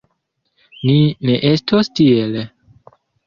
Ni ne estos tiel!